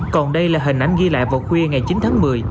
còn đây là hình ảnh ghi lại vào khuya ngày chín tháng một mươi